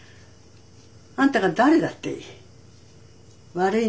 あんたが誰だっていい。